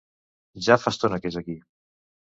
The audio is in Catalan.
ja fa estona que és aquí